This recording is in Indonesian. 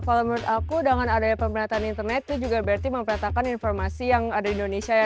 kalau menurut aku dengan adanya pemerataan internet itu juga berarti mempetakan informasi yang ada di indonesia ya